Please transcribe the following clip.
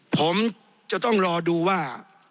ผมจะต้องรอดูว่า